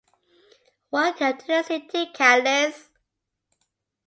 Welcome to the city Kalis!